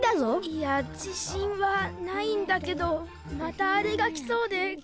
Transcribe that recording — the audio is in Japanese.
いや自しんはないんだけどまたあれが来そうで。